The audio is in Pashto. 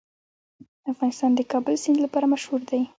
افغانستان د د کابل سیند لپاره مشهور دی.